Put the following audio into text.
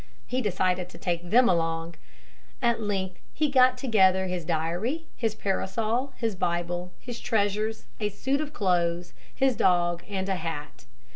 He decided to take them along. At length he got together his diary, his parasol, his Bible, his treasures, a suit of clothes, his dog, and a hat.